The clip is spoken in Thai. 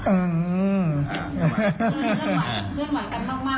อือม